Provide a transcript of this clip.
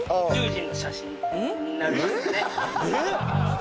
えっ？